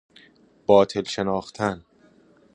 باطل شناختن